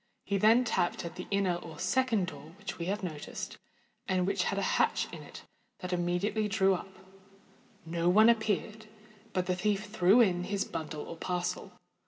He then tapped at the inner or second door which we have noticed, and which had a hatch in it that immediately drew up: no one appeared—but the thief threw in his bundle or parcel.